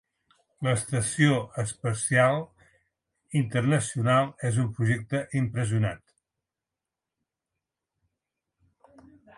L'estació espacial internacional és un projecte impressionat.